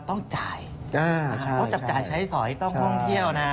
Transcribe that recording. ต้องจ่ายใช้สอนก็ต้องทั่วเที่ยวนะ